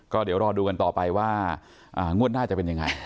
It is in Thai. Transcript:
ก็เดี๋ยวรอดูกันต่อไปว่างวดหน้าจะเป็นยังไง